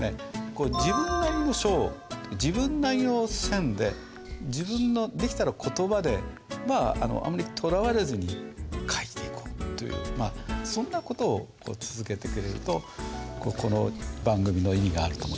自分なりの書を自分なりの線で自分のできたら言葉であんまりとらわれずに書いていこうというそんな事を続けていけるとこの番組の意義があると思いますね。